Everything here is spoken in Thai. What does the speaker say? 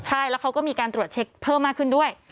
ใช่แล้วเขาก็มีการตรวจเช็คเพิ่มมากขึ้นด้วย